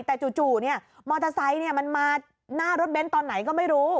แต่จู่มอเตอร์ไซค์มันมาหน้ารถเบ้นตอนไหนก็ไม่รู้